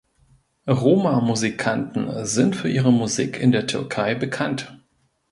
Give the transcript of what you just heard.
Romamusikanten sind für ihre Musik in der Türkei bekannt.